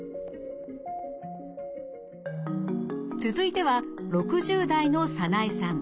続いては６０代のサナエさん。